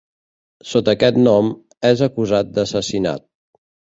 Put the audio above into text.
Sota aquest nom, és acusat d'assassinat.